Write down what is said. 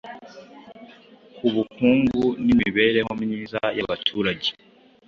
ku bukungu n’imibereho myiza y’abaturage.